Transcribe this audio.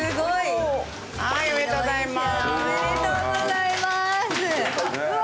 はい、おめでとうございまーす。